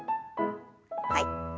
はい。